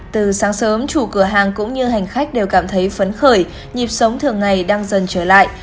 từ sáng sớm chủ cửa hàng cũng như hành khách đều cảm thấy phấn khởi nhịp sống thường ngày đang dần trở lại